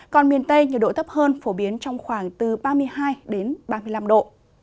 còn miền tây nhiệt độ thấp hơn phổ biến trong khoảng từ ba mươi hai ba mươi năm độ